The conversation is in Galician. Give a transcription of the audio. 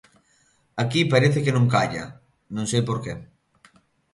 Aquí parece que non calla, non sei por que.